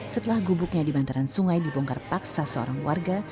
setelah gubuknya di bantaran sungai dibongkar paksa seorang warga